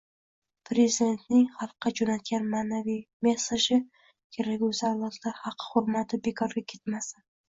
Prezidentning xalqqa jo‘natgan ma’naviy “messeji”, kelgusi avlodlar haqqi-hurmati, bekorga ketmasin.